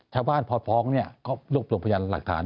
ชาวบ้านพอร์ทฟ้องก็รูปลงพยานหลักฐาน